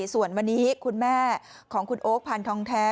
ส่วนวันนี้คุณแม่ของคุณโอ๊คพันธองแท้